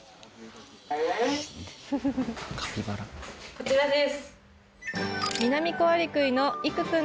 こちらです。